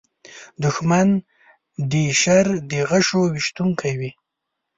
دښمن د شر د غشو ویشونکی وي